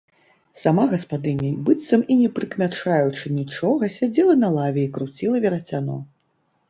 Сама гаспадыня, быццам і не прыкмячаючы нічога, сядзела на лаве і круціла верацяно.